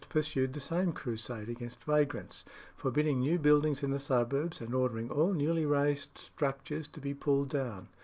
pursued the same crusade against vagrants, forbidding new buildings in the suburbs, and ordering all newly raised structures to be pulled down.